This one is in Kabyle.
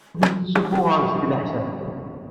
Ur tent-ssuffuɣeɣ seg leḥsab.